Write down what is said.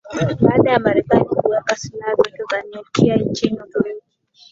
Baada ya Marekani kuweka Silaha zake za Nyuklia nchini Uturuki